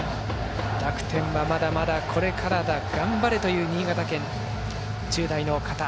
楽天は、まだまだこれからだ、頑張れという新潟県１０代の方。